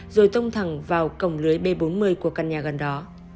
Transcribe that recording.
rồi tông thẳng vào cổng lưới b bốn mươi của căn nhà gần đó